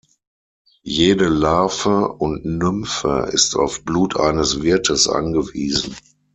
Jede Larve und Nymphe ist auf Blut eines Wirtes angewiesen.